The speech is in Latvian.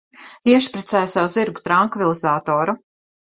Iešpricē sev zirgu trankvilizatoru.